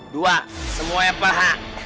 dua semua fh